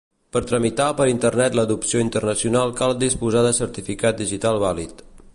Per tramitar per Internet l'adopció internacional cal disposar de certificat digital vàlid.